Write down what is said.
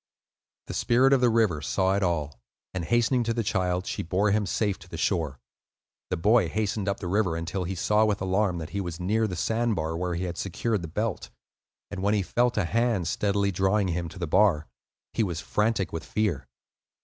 The Spirit of the River saw it all, and hastening to the child, she bore him safe to the shore. The boy hastened up the river until he saw with alarm that he was near the sand bar where he had secured the belt; and when he felt a hand steadily drawing him to the bar, he was frantic with fear.